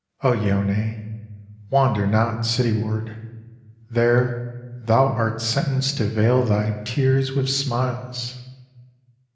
O Yone, wander not city ward — ^there thou art sentenced to veil thy tears with smiles